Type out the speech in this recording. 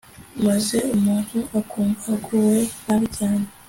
maze umuntu akumva aguwe nabi cyane